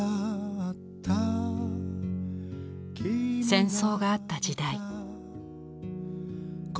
戦争があった時代。